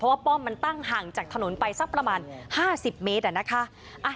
ป้อมมันตั้งห่างจากถนนไปสักประมาณ๕๐เมตรนะคะ